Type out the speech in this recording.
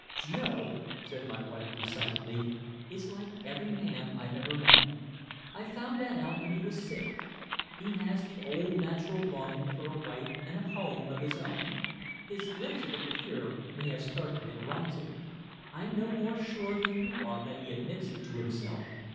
"Joe," said my wife decidedly, "is like every man I've ever met. I found that out when he was sick. He has the old natural longing for a wife and a home of his own. His glimpse of it here may have started it rising. I'm no more sure than you are that he admits it to himself.